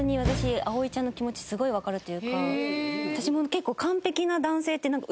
私も結構。